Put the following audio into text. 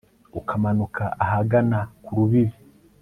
ukamanuka ahagana ku rubibi